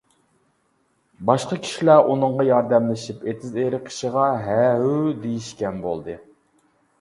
باشقا كىشىلەر ئۇنىڭغا ياردەملىشىپ ئېتىز-ئېرىق ئىشىغا ھە-ھۇ دېيىشكەن بولدى.